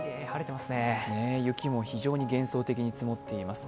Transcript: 雪も非常に幻想的に積もっています。